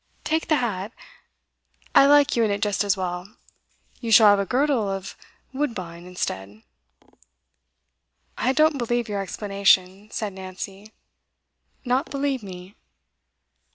'Take the hat; I like you in it just as well. You shall have a girdle of woodbine, instead.' 'I don't believe your explanation,' said Nancy. 'Not believe me?